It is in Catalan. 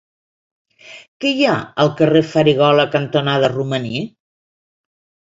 Què hi ha al carrer Farigola cantonada Romaní?